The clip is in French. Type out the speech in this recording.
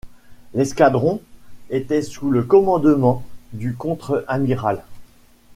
L'escadron était sous le commandement du contre-amiral .